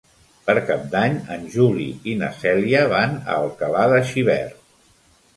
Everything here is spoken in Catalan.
Per Cap d'Any en Juli i na Cèlia van a Alcalà de Xivert.